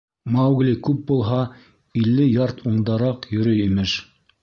Маугли күп булһа илле ярд ундараҡ йөрөй, имеш.